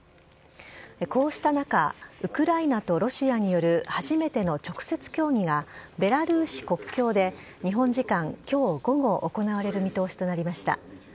こうした中、ウクライナとロシアによる初めての直接協議が、ベラルーシ国境で、日本時間きょう午後行われる見通しとなりました。